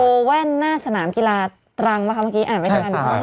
โกว่าแว่นหน้าสนามกีฬาตรังปะครับเมื่อกี้อ่านไปทางอ่านดู